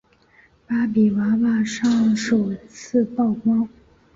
芭比娃娃上首次曝光。